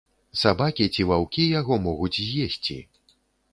Сабакі ці ваўкі яго могуць з'есці.